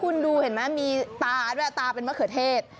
คุณดูเห็นมั้ยมีตาเป็นมะเขือเทศ